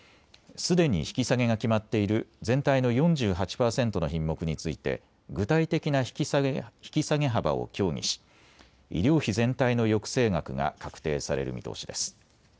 すでに引き下げが決まっている全体の４８％の品目について具体的な引き下げ幅を協議し医療費全体の抑制額が確定される見通しです。